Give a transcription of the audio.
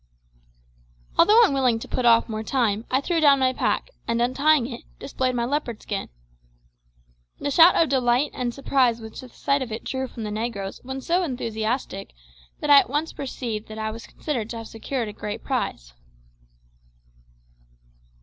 Although unwilling to put off more time, I threw down my pack, and untying it, displayed my leopard skin. The shout of delight and surprise which the sight of it drew from the negroes was so enthusiastic that I at once perceived I was considered to have secured a great prize.